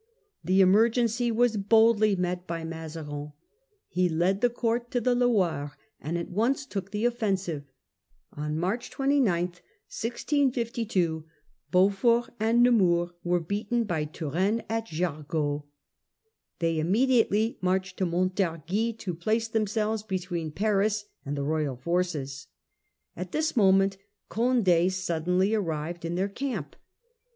The emergency was boldly met by Mazarin. He led the court to the Loire, and at once took the offensive. Battle of On March 29 Beaufort and Nemours were iiardhag, beaten by Turenne at Jargeau. They imme 1652. diately marched to Montargis to place them selves between Paris and the royal forces. At this moment Cond£ suddenly arrived in their camp.